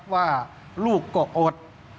ว่าลูกก็อด